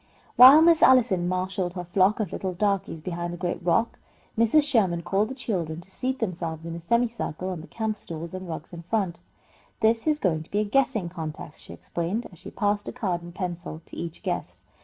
While Miss Allison marshalled her flock of little darkies behind the great rock, Mrs. Sherman called the children to seat themselves in a semicircle on the camp stools and rugs in front. "This is to be a guessing contest," she explained, as she passed a card and pencil to each guest.